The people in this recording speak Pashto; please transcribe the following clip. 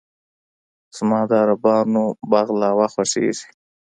زما د عربانو "بغلاوه" خوښېږي.